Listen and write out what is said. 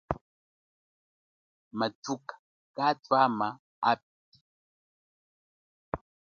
Mathuka katwama api.